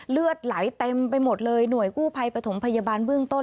เลือดไหลเต็มไปหมดเลยหน่วยกู้ภัยปฐมพยาบาลเบื้องต้น